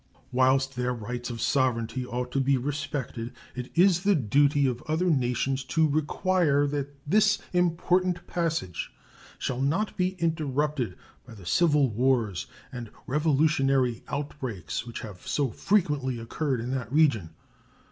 Whilst their rights of sovereignty ought to be respected, it is the duty of other nations to require that this important passage shall not be interrupted by the civil wars and revolutionary outbreaks which have so frequently occurred in that region.